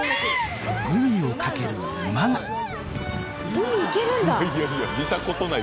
海行けるんだ？